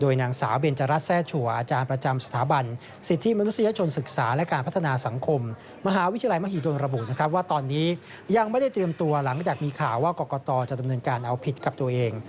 ยังไม่ได้เตรียมตัวหลังจากมีข่าวว่ากรกตจะดำเนินการเอาผิดกับตัวเอง